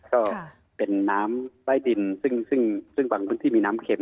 ก็เป็นน้ำใต้ดินซึ่งซึ่งบางพื้นที่มีน้ำเข็ม